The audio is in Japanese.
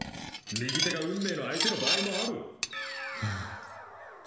右手が運命の相手の場合もある。